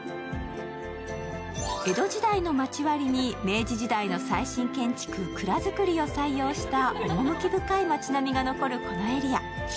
江戸時代の町割りに明治時代の最新建築、蔵造りを採用した趣深い街並みが残るこのエリア。